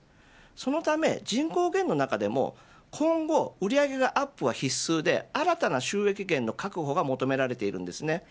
そのため、人口減の中でも今後、売り上げがアップは必須で新たな収益源の確保が求められています。